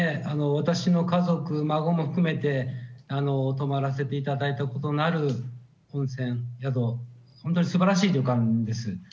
私の家族、孫も含めて、泊まらせていただいたことのある温泉宿、本当にすばらしい旅館です。